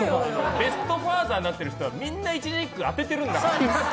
ベストファーザーになってる人はみんな一字一句当ててるんだから。